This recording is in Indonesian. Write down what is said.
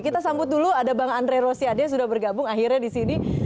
kita sambut dulu ada bang andre rosiade yang sudah bergabung akhirnya di sini